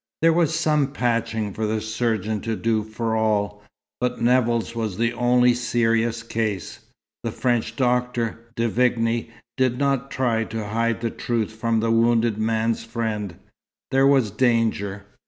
There was some patching for the surgeon to do for all, but Nevill's was the only serious case. The French doctor, De Vigne, did not try to hide the truth from the wounded man's friend; there was danger.